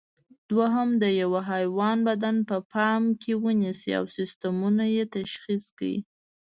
دوهم: د یوه حیوان بدن په پام کې ونیسئ او سیسټمونه یې تشخیص کړئ.